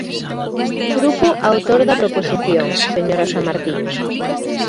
Grupo autor da proposición, señora Samartiño.